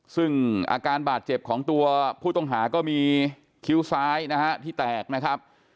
ซึ่งอาการบาดเจ็บของตัวผู้ต้องหาก็มีคิ้วซ้ายนะฮะที่แตกนะครับ